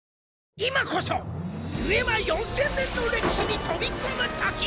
今こそデュエマ４０００年の歴史に飛び込むとき。